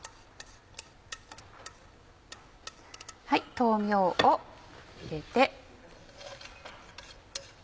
豆苗を入れて。